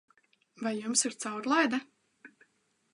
Vai Jums ir caurlaide?